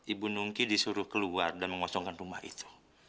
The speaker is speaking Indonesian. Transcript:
ibu nungki disuruh keluar dan mengosongkan rumah itu